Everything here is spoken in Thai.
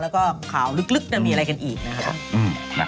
แล้วก็ข่าวลึกมีอะไรกันอีกนะครับ